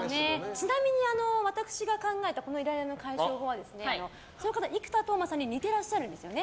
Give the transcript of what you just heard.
ちなみに私が考えたこのイライラの解消法は生田斗真さんに似ていらっしゃるんですよね。